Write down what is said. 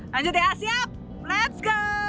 lanjut ya siap let s go